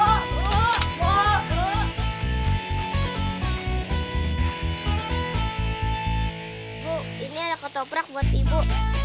ibu ini ada ketobrak buat ibu